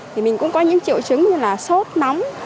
thì mình cũng có những triệu chứng như là sốt nóng